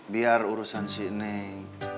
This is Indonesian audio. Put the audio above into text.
biar urusan si neng